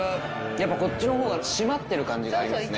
やっぱこっちのほうが締まってる感じがありますね。